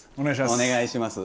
お願いします。